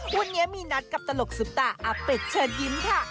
วันนี้มีนัดกับตลกซุปตาอาเป็ดเชิญยิ้มค่ะ